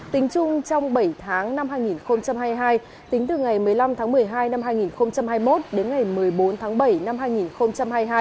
tính chung trong bảy tháng năm hai nghìn hai mươi hai tính từ ngày một mươi năm tháng một mươi hai năm hai nghìn hai mươi một đến ngày một mươi bốn tháng bảy năm hai nghìn hai mươi hai